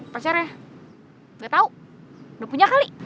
pacarnya gak tau udah punya kali